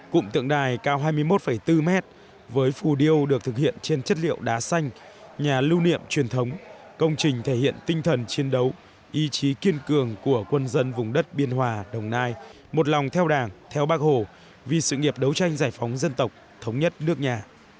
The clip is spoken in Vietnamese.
cụm tượng đài cao hai mươi một bốn mét với phù điêu được thực hiện trên chất liệu đá xanh nhà lưu niệm truyền thống công trình thể hiện tinh thần chiến đấu ý chí kiên cường của quân dân vùng đất biên hòa đồng nai một lòng theo đảng theo bác hồ vì sự nghiệp đấu tranh giải phóng dân tộc thống nhất nước nhà